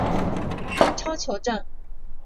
英超球证